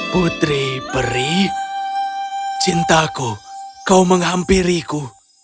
putri peri cintaku kau menghampiriku